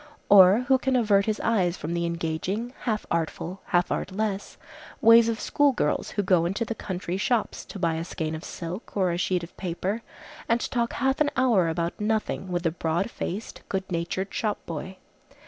Or who can avert his eyes from the engaging, half artful, half artless ways of school girls who go into the country shops to buy a skein of silk or a sheet of paper, and talk half an hour about nothing with the broad faced, good natured shop boy.